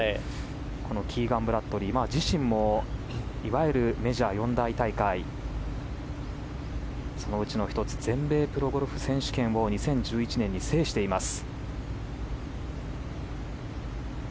このキーガン・ブラッドリー自身もいわゆるメジャー四大大会そのうちの１つ全米プロゴルフ選手権を２０１１年に制しています。